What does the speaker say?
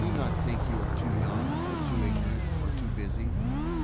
not think you are too young, or too ignorant, or too busy.